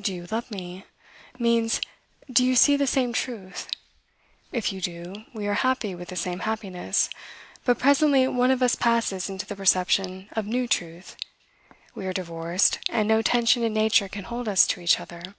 Do you love me? means, Do you see the same truth? If you do, we are happy with the same happiness; but presently one of us passes into the perception of new truth; we are divorced, and no tension in nature can hold us to each other.